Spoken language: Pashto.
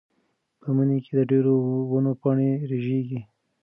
په مني کې د ډېرو ونو پاڼې رژېږي.